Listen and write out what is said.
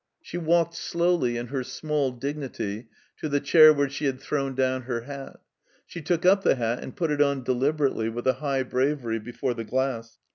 She walked slowly, in her small dignity, to the chair where she had thrown down her hat. She took up the hat and put it on, deliberately, with a high bravery, before the glass.